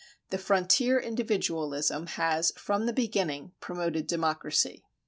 The frontier individualism has from the beginning promoted democracy.